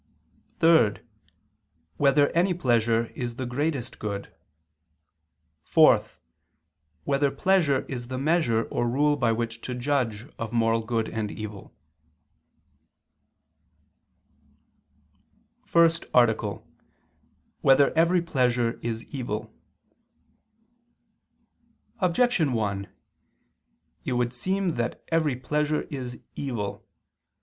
(3) Whether any pleasure is the greatest good? (4) Whether pleasure is the measure or rule by which to judge of moral good and evil? ________________________ FIRST ARTICLE [I II, Q. 34, Art. 1] Whether Every Pleasure Is Evil? Objection 1: It would seem that every pleasure is evil.